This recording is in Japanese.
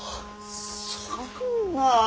そんなあ！